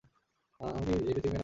আমি কি এই পৃথিবীর মেয়ে না?